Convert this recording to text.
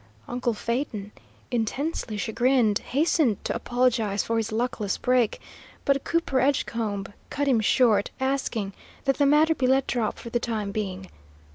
Uncle Phaeton, intensely chagrined, hastened to apologise for his luckless break, but Cooper Edgecombe cut him short, asking that the matter be let drop for the time being.